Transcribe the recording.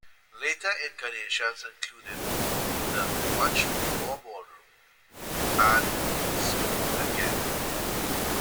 Later incarnations included the Much More Ballroom, and Stoned Again.